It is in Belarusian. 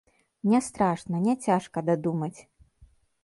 Не страшна, няцяжка дадумаць.